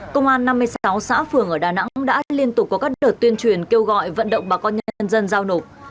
công an năm mươi sáu xã phường ở đà nẵng đã liên tục có các đợt tuyên truyền kêu gọi vận động bà con nhân dân giao nộp